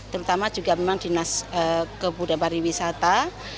terutama juga memang dinas kebudaya pariwisata